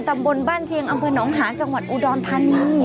ตำบลบ้านเชียงอำเภอหนองหาญจังหวัดอุดรธานี